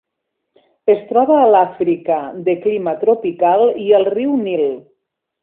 Es troba a l'Àfrica de clima tropical i al riu Nil.